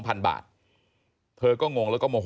ถ้าเขาถูกจับคุณอย่าลืม